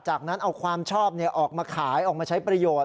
จากนั้นเอาความชอบออกมาขายออกมาใช้ประโยชน์